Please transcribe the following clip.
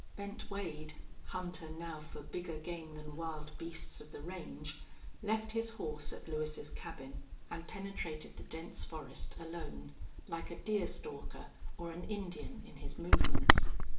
Bent Wade, hunter now for bigger game than wild beasts of the range, left his horse at Lewis's cabin and penetrated the dense forest alone, like a deer stalker or an Indian in his movements.